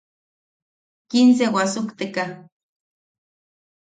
Quince wasukteka.